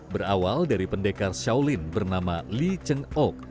berawal dari pendekar shaolin bernama li cheng ok